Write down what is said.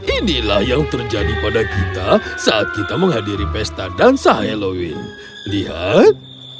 inilah yang terjadi pada kita saat kita menghadiri pesta dansa halloween lihat